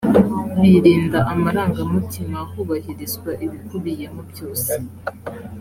birinda amarangamutima hubahirizwa ibikubiyemo byose